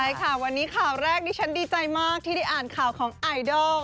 ใช่ค่ะวันนี้ข่าวแรกดิฉันดีใจมากที่ได้อ่านข่าวของไอดอล